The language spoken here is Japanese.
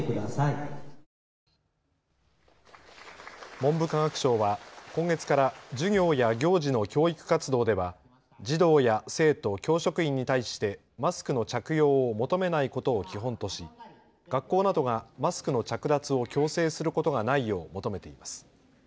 文部科学省は今月から授業や行事の教育活動では児童や生徒、教職員に対してマスクの着用を求めないことを基本とし学校などがマスクの着脱を強制することがないよう求めています。